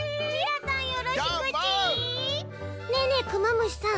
ねえねえクマムシさん